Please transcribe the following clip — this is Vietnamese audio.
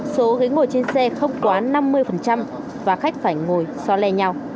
số ghế ngồi trên xe không quá năm mươi và khách phải ngồi so le nhau